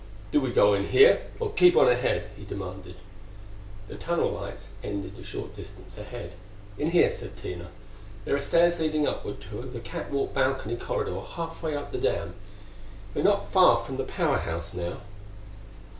"Do we go in here, or keep on ahead?" he demanded. The tunnel lights ended a short distance ahead. "In here," said Tina. "There are stairs leading upward to the catwalk balcony corridor halfway up the dam. We are not far from the Power House now."